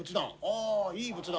あいい仏壇」。